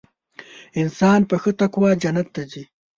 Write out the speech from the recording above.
انسان په ښه تقوا جنت ته ځي .